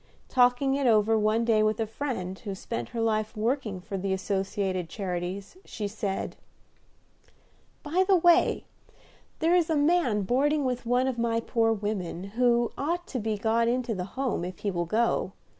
Talking it over one day with a friend, who spent her life working for the Associated Charities, she said, "By the way, there is a man boarding with one of my poor women, who ought to be got into the Home, if he will go.